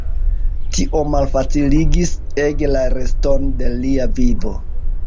Tio malfaciligis ege la reston de lia vivo.